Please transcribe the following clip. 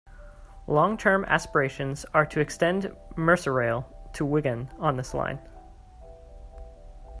Long term aspirations are to extend Merseyrail to Wigan on this line.